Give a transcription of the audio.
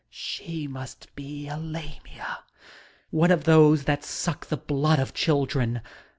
She must be a Lamia, one of those that suck the blood of children.